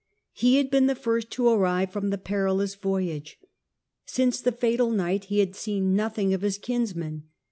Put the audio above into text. He had been the first to arrive from the perilous voyage. Since the fatal night he had seen nothing of his kinsman.